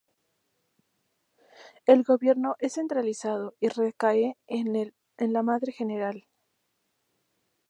El gobierno es centralizado y recae en la madre general.